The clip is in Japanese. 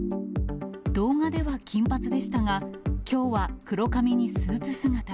動画では金髪でしたが、きょうは黒髪にスーツ姿。